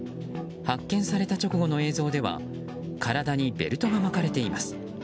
発見された直後の映像では体にベルトが巻かれています。